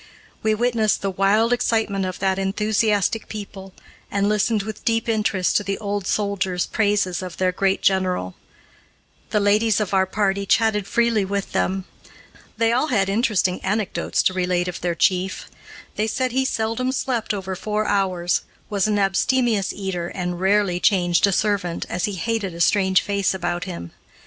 We witnessed the wild excitement of that enthusiastic people, and listened with deep interest to the old soldiers' praises of their great general. The ladies of our party chatted freely with them. They all had interesting anecdotes to relate of their chief. They said he seldom slept over four hours, was an abstemious eater, and rarely changed a servant, as he hated a strange face about him.